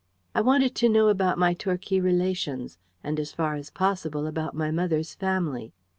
I wanted to know about my Torquay relations, and as far as possible about my mother's family.